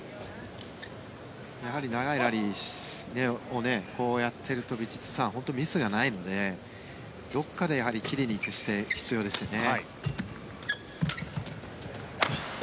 やはり長いラリーをこうやっているとヴィチットサーンは本当にミスがないのでどこかで切りに行く姿勢が必要ですよね。